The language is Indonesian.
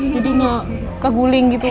jadi mau keguling gitu